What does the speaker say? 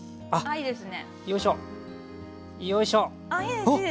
いやいいですね。